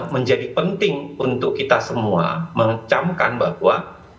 menjadi penting untuk kita semua mengecamkan bahwa